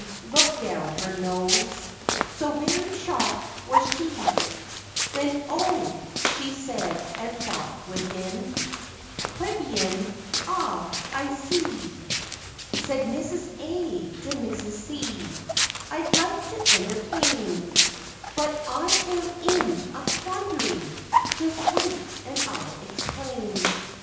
looked down her nose, So very shocked was she Then, O, she said and thought within, "Plebian, Ah, I see." Said Mrs. A. to Mrs. C. "I'd like to entertain, But I am in a quandary, Just wait and I'll explain.